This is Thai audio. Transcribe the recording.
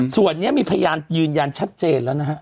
ส่วนนี้มีพยานยืนยันชัดเจนแล้วนะฮะ